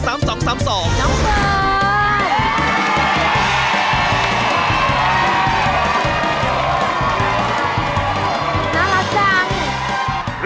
น่ารักจังนี่ก็เป็นแม่น้องเกอร์